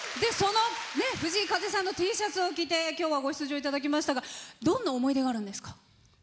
藤井風さんのＴシャツを着て今日はご出場いただきましたがどんな思い出があるんですか？